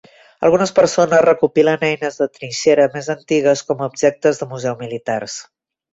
Algunes persones recopilen eines de trinxera més antigues com a objectes de museu militars.